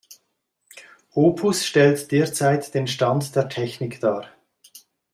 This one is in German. Opus stellt derzeit den Stand der Technik dar.